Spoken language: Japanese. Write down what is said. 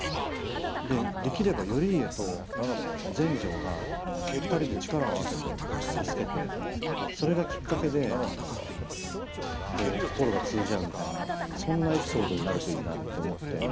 でできれば頼家と全成が２人で力を合わせて助けてそれがきっかけでこう心が通じ合うみたいなそんなエピソードになるといいなって思って。